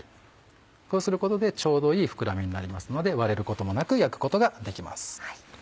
こうすることでちょうどいい膨らみになりますので割れることもなく焼くことができます。